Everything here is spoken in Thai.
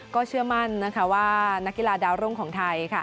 ก็เชื่อมั่นว่านักกีฬาดาวรุ่งของไทย